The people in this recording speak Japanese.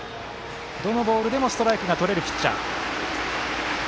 どのボールでもストライクがとれるピッチャー。